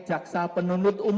caksa penuntut umum kpk